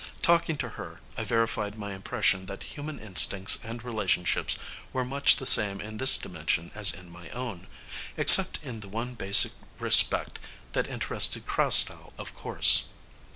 Talking to her, I verified my impression that human instincts and relationships were much the same in this dimension as in my own except in the one basic respect that interested Krasnow, of course.